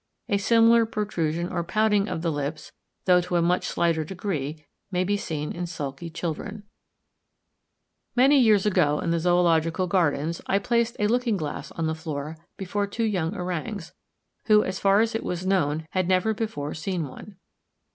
A similar protrusion or pouting of the lips, though to a much slighter degree, may be seen in sulky children. Chimpanzee Disappointed and Sulky. Fig. 18 Many years ago, in the Zoological Gardens, I placed a looking glass on the floor before two young orangs, who, as far as it was known, had never before seen one.